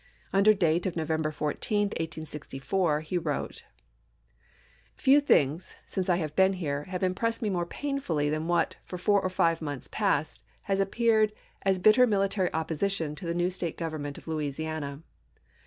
Under date of November 14, 1864, he wrote: Few things, since I have been here, have impressed me more painfully than what, for four or five months past, has appeared as bitter military opposition to the new State government of Louisiana.